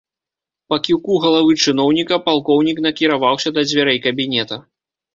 Па кіўку галавы чыноўніка палкоўнік накіраваўся да дзвярэй кабінета.